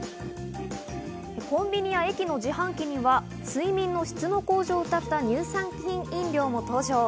コンビニや駅の自販機には睡眠の質の向上をうたった乳酸菌飲料も登場。